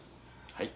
はい。